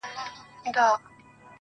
• بلا وهلی يم، چي تا کوم بلا کومه.